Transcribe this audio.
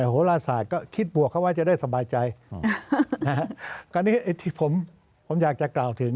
โหลศาสตร์ก็คิดบวกเขาไว้จะได้สบายใจนะฮะคราวนี้ไอ้ที่ผมผมอยากจะกล่าวถึง